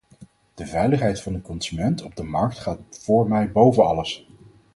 De veiligheid van de consument op de markt gaat voor mij boven alles.